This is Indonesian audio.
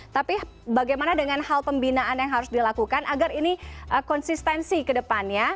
tapi bagaimana dengan hal pembinaan yang harus dilakukan agar ini konsistensi ke depannya